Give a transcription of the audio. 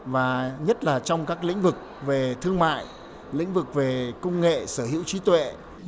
và nhất là trong các lĩnh vực về thương mại lĩnh vực về công nghệ sở hữu trí tuệ